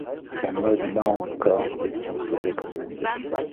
La mode normcore est considérée comme unisexe.